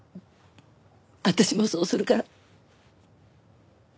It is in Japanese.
私もそうするから。